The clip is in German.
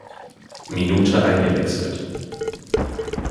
Minute eingewechselt.